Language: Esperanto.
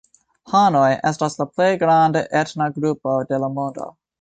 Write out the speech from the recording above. Hanoj estas la plej granda etna grupo de la mondo.